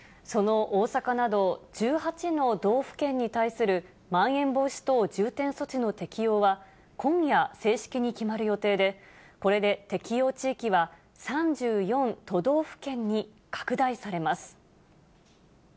その大阪など１８の道府県に対するまん延防止等重点措置の適用は、今夜、正式に決まる予定で、これで適用地域は３４都道府県に拡大されます。